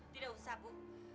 tidak usah bu